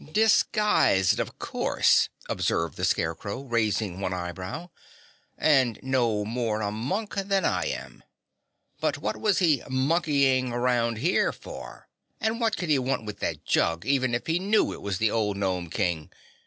"Disguised, of course," observed the Scarecrow, raising one eyebrow, "and no more a monk than I am. But what was he monkeying round here for? And what could he want with that jug, even if he knew it was the old Gnome King?